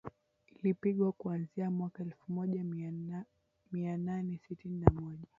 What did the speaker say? ilipigwa kuanzia mwaka elfumoja mianane sitini na moja